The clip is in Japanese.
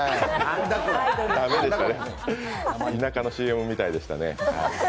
田舎のＣＭみたいでしたね。